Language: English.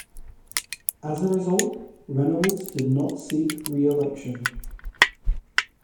As a result, Reynolds did not seek reelection.